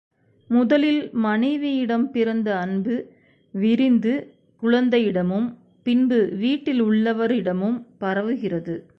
முதலில் மனைவியிடம் பிறந்த அன்பு விரிந்து குழந்தையிடமும் பின்பு வீட்டிலுள்ளவரிடமும் பரவுகிறது.